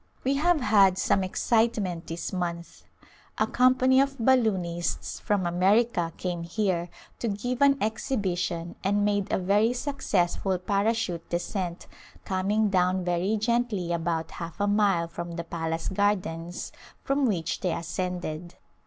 We have had some excitement this month. A company of balloonists from America came here to [ 202 ] Return to Khetri give an exhibition and made a very successful para chute descent, coming down very gently about half a mile from the palace gardens from which they as cended.